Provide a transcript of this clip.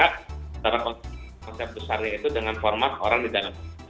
karena konsep konsep besarnya itu dengan format orang di dalam